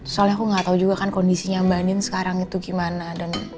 soalnya aku gak tau juga kan kondisinya mbak andin sekarang itu gimana dan